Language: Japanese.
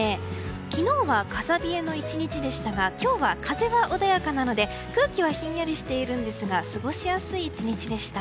昨日は風冷えの１日でしたが今日は風は穏やかなので空気はひんやりしているんですが過ごしやすい１日でした。